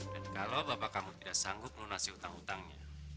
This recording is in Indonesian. dan kalau bapak kamu tidak sanggup mengumasi utang utangnya